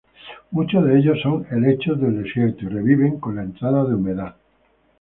Muchos de ellos son helechos del desierto y reviven con la entrada de humedad.